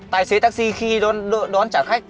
tài xế taxi khi đón trả khách